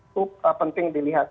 itu penting dilihat